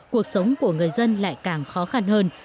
cuộc sống của người dân lại càng khó khăn hơn